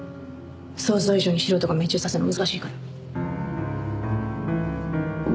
想像以上に素人が命中させるの難しいから。